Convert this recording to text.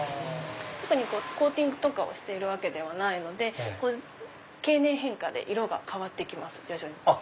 特にコーティングとかをしてるわけではないので経年変化で色が変わって来ます徐々に。